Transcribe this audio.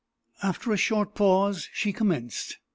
After a short pause, she commenced.